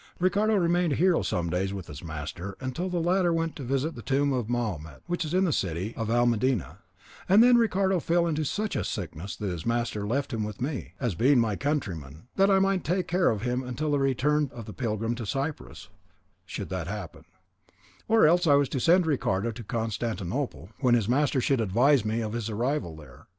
Ricardo remained hero some days with his master until the latter went to visit the tomb of Mahomet, which is in the city of Almedina, and then Ricardo fell into such a sickness that his master left him with me, as being my countryman, that I might take care of him until the return of the pilgrim to Cyprus, should that happen; or else I was to send Ricardo to Constantinople, when his master should advise me of his arrival there.